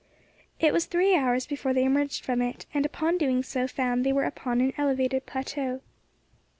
It was three hours before they emerged from it, and upon doing so found they were upon an elevated plateau.